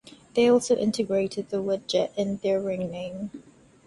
They also integrated the word "jet" in their ring name.